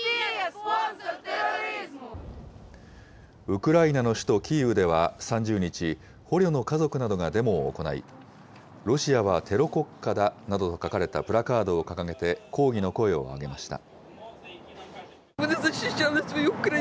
ウクライナの首都キーウでは３０日、捕虜の家族などがデモを行い、ロシアはテロ国家だなどと書かれたプラカードを掲げて抗議の声を上げました。